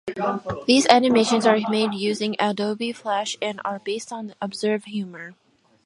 These animation are made using Adobe Flash and are based on an absurd humor.